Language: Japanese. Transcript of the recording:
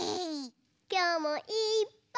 きょうもいっぱい。